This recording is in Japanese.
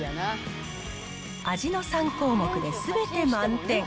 味の３項目ですべて満点。